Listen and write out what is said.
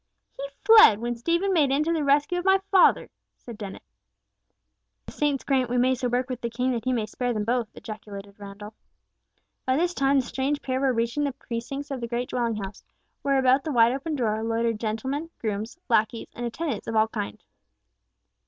"He fled, when Stephen made in to the rescue of my father," said Dennet. "The saints grant we may so work with the King that he may spare them both," ejaculated Randall. By this time the strange pair were reaching the precincts of the great dwelling house, where about the wide open door loitered gentlemen, grooms, lacqueys, and attendants of all kinds.